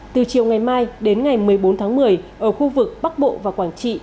từ chiều ngày mai đến ngày một mươi bốn tháng một mươi ở khu vực bắc bộ và quảng trị